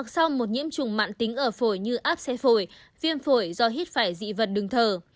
xong một nhiễm trùng mạng tính ở phổi như áp xe phổi viêm phổi do hít phải dị vật đường thở